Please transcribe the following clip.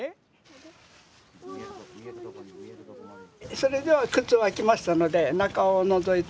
それでは口を開けましたので中をのぞいてみて。